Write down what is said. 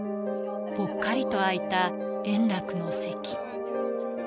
ぽっかりとあいた円楽の席。